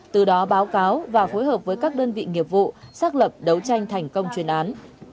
từ đó báo cáo và phối hợp với các đơn vị nghiệp vụ xác lập đấu tranh thành công chuyên án